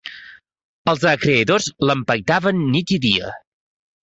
Els a creedors l'empaitaven nit i dia